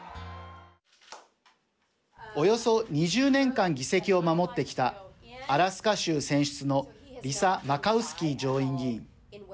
およそ２０年間議席を守ってきたアラスカ州選出のリサ・マカウスキー上院議員。